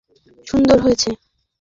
এইটা সুন্দর হয়েছে।